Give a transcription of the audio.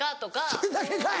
それだけかい！